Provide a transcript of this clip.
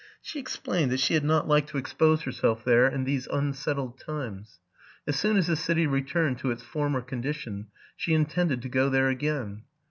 She explained that she had not liked to ex pose herself there in these unsettled times. As soon as the city returned to its former coudition, she intended to go there again.